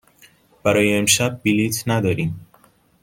برای امشب بلیط نداریم.